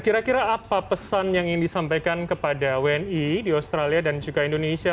kira kira apa pesan yang ingin disampaikan kepada wni di australia dan juga indonesia